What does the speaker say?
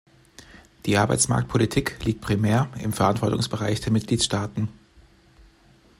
Die Arbeitsmarktpolitik liegt primär im Verantwortungsbereich der Mitgliedstaaten.